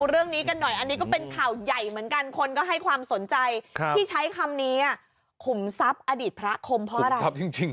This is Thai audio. เรื่องนี้กันหน่อยอันนี้ก็เป็นข่าวใหญ่เหมือนกันคนก็ให้ความสนใจที่ใช้คำนี้ขุมทรัพย์อดีตพระคมเพราะอะไร